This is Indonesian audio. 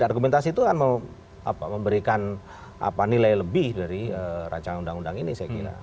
dan argumentasi itu akan memberikan nilai lebih dari rancangan undang undang ini saya kira